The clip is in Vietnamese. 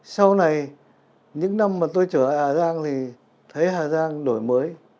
sau này những năm mà tôi trở ở hà giang thì thấy hà giang đổi mới